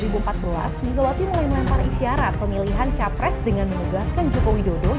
bumil gawati mulai melempar isyarat pemilihan capres dengan menegaskan joko widodo